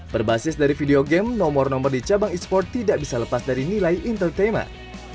berbasis dari video game nomor nomor di cabang e sport tidak bisa lepas dari nilai entertainment